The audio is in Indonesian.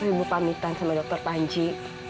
ibu pamitan sama dokter panji